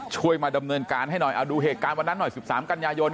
ช่วยมาดำเนินการให้หน่อยเอาดูเหตุการณ์วันนั้นหน่อย๑๓กันยายน